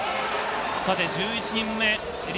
１１人目。